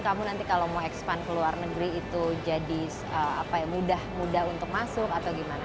ketika masih kecil michelle sering dipanggil dengan jelukan ini